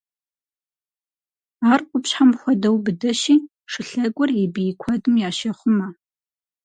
Ар къупщхьэм хуэдэу быдэщи, шылъэгур и бий куэдым ящехъумэ.